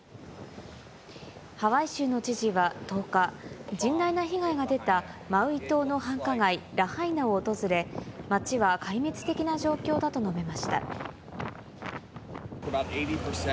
ハワイ州の知事は１０日、甚大な被害が出たマウイ島の繁華街、ラハイナを訪れ、街は壊滅的な状況だと述べました。